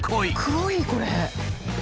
黒いこれ。